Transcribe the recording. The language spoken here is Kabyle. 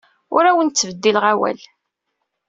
Ur awent-ttbeddileɣ awal.